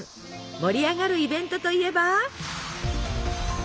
盛り上がるイベントといえば。